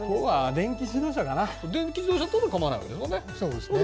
電気自動車だったら構わないわけですよね。